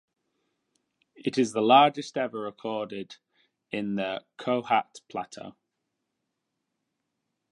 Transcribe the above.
It is the largest ever recorded in the Kohat Plateau.